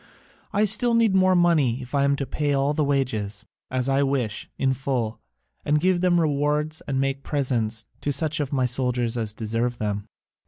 I still need more money if I am to pay all the wages, as I wish, in full, and give rewards and make presents to such of my soldiers as deserve them.